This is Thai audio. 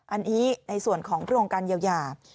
อันนี้ในส่วนของโรงการเยียวยา